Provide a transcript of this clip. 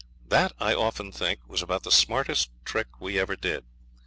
That, I often think, was about the smartest trick we ever did.